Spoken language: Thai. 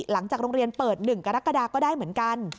หลังจากโรงเรียนเปิด๑กรกฎาก็ได้เหมือนกัน